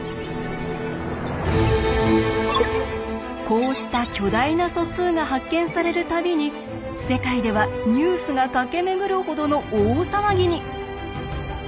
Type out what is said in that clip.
こうした巨大な素数が発見される度に世界ではニュースが駆け巡るほどの大騒ぎに！